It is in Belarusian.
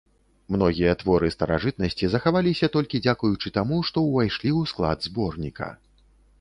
Многія творы старажытнасці захаваліся толькі дзякуючы таму, што ўвайшлі ў склад зборніка.